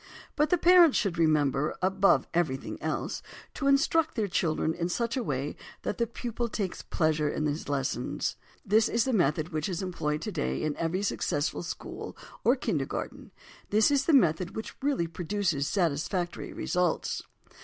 But the parents should remember, above everything else, to instruct their children in such a way that the pupil takes pleasure in his lessons. This is the method which is employed today in every successful school or "kindergarten"; this is the method which really produces satisfactory results.